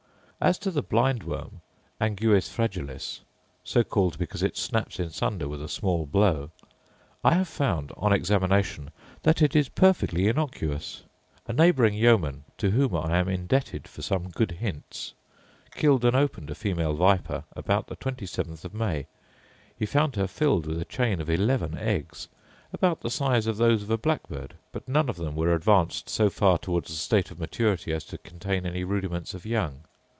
As to the blind worm (anguis fragilis, so called because it snaps in sunder with a small blow), I have found, on examination, that it is perfectly innocuous. A neighbouring yeoman (to whom I am indebted for some good hints) killed and opened a female viper about the twenty seventh of May: he found her filled with a chain of eleven eggs, about the size of those of a blackbird; but none of them were advanced so far towards a state of maturity as to contain any rudiments of young.